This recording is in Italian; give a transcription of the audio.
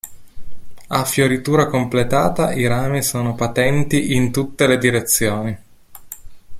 A fioritura completata i rami sono patenti in tutte le direzioni.